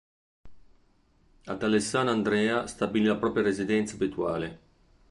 Ad Alessano Andrea stabilì la propria residenza abituale.